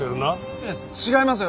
いや違いますよ。